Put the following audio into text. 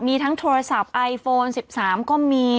มีทั้งโทรศัพท์ไอโฟน๑๓ก็มี